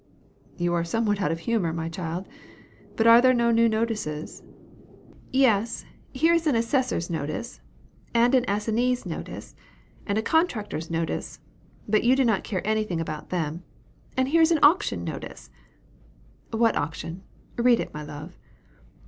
"You are somewhat out of humor, my child; but are there no new notices?" "Yes, here is an 'Assessors' Notice,' and an 'Assignee's Notice,' and a 'Contractors' Notice;' but you do not care anything about them. And here is an 'Auction Notice.'" "What auction? Read it, my love."